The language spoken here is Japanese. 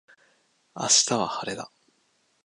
明日は晴れだ。